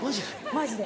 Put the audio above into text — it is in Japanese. マジで。